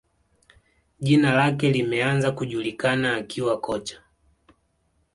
Jina lake limeanza kujulikana akiwa kocha